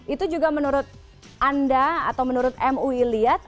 itu juga menurut anda atau menurut mui lihat